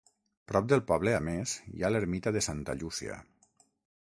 Prop del poble, a més, hi ha l'ermita de Santa Llúcia.